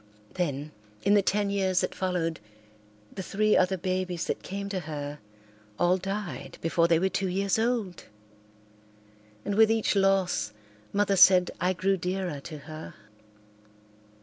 Then, in the ten years that followed, the three other babies that came to her all died before they were two years old. And with each loss Mother said I grew dearer to her.